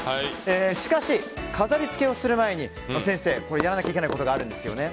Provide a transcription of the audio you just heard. しかし、飾り付けをする前に先生、やらなきゃいけないことがあるんですよね。